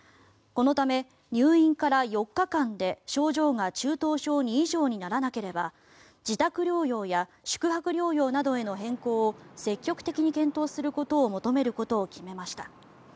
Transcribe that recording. このため入院から４日間で症状が中等症２以上にならなければ自宅療養や宿泊療養などへの変更を積極的に検討することを求めることを決めました。